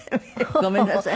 ごめんなさい。